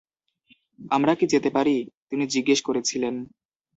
"আমরা কি যেতে পারি?" তিনি জিজ্ঞেস করেছিলেন।